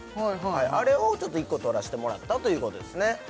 あれを１個取らしてもらったということですね